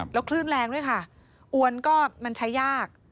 แล้วคลื่นแรงด้วยค่ะอวนก็มันใช้ยาก